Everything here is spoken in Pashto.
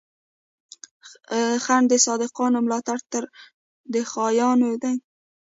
خنډ د صادقانو، ملا تړ د خاينانو دی